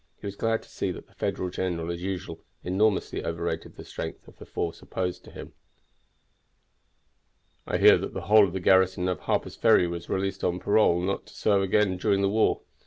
He was glad to see that the Federal general, as usual, enormously overrated the strength of the force opposed to him. "I hear that the whole of the garrison of Harper's Ferry were released on parole not to serve again during the war.